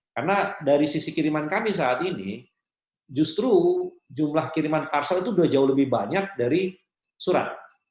karena dari sisi kiriman kami saat ini justru jumlah kiriman parcel itu sudah jauh lebih banyak dari surat